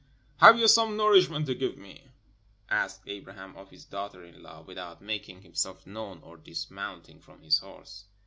"Have you some nourishment to give me?" asked Abraham of his daughter in law, without making himself known or dismounting from his horse.